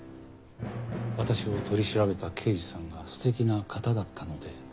私を取り調べた刑事さんが素敵な方だったのでつい。